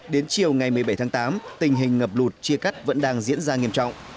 đến chiều ngày một mươi bảy tháng tám tình hình ngập lụt chia cắt vẫn đang diễn ra nghiêm trọng